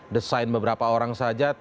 desain beberapa orang saja